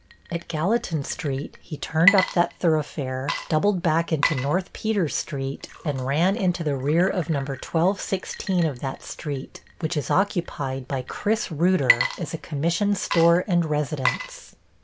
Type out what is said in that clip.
At Gallatin Street he turned up that thoroughfare, doubled back into North Peters Street and ran into the rear of No. 1216 of that street, which is occupied by Chris Reuter as a commission store and residence.